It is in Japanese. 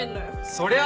そりゃあ。